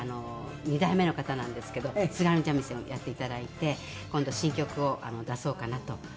二代目の方なんですけど津軽三味線をやっていただいて今度新曲を出そうかなと思って。